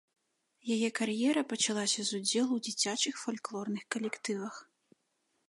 Яе кар'ера пачалася з удзелу ў дзіцячых фальклорных калектывах.